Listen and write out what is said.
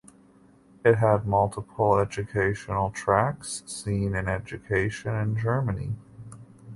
It had multiple educational tracks seen in education in Germany.